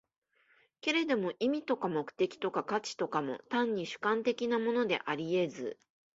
けれども意味とか目的とか価値とかも、単に主観的なものであり得ず、